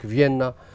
ở việt nam